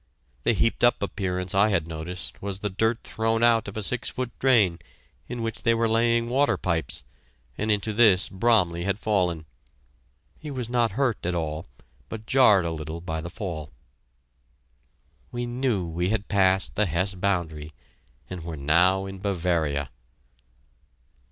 The heaped up appearance I had noticed was the dirt thrown out of a six foot drain, in which they were laying water pipes, and into this Bromley had fallen. He was not hurt at all, but jarred a little by the fall. We knew we had passed the Hesse boundary, and were now in Bavaria.